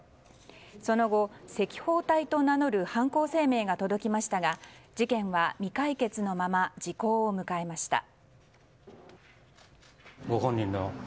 その後、赤報隊と名乗る犯行声明が届きましたが事件は未解決のまま時効を迎えました。